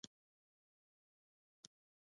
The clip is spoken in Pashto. اوبه پاکې وساته.